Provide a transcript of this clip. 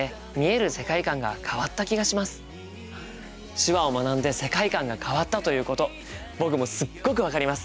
手話を学んで世界観が変わったということ僕もすっごく分かります。